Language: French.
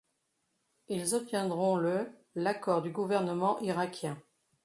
Ils obtiendront le l'accord du gouvernement irakien.